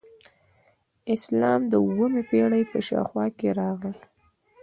اسلام د اوومې پیړۍ په شاوخوا کې راغی